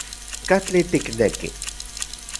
¿Katli tikneki?